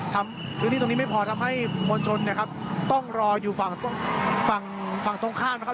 ทำพื้นที่ตรงนี้ไม่พอทำให้มวลชนเนี่ยครับต้องรออยู่ฝั่งฝั่งตรงข้ามนะครับ